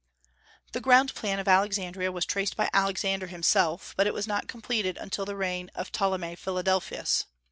The ground plan of Alexandria was traced by Alexander himself, but it was not completed until the reign of Ptolemy Philadelphus.